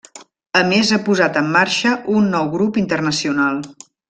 A més ha posat en marxa un nou grup internacional.